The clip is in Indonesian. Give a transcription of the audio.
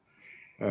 buat mbak mega